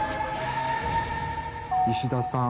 「石田さん。